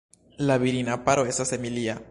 La virina paro estas Emilia.